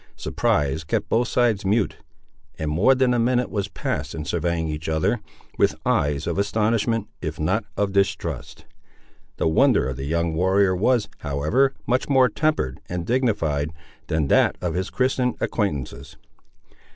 Surprise kept both sides mute, and more than a minute was passed in surveying each other, with eyes of astonishment, if not of distrust. The wonder of the young warrior was, however, much more tempered and dignified than that of his Christian acquaintances.